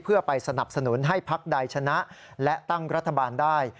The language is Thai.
เพื่อไปสนับสนุนให้พักใดชนะและตั้งรัฐบาลได้